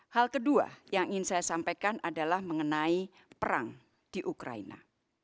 hal kedua yang ingin saya sampaikan adalah mengenai perang di ukraina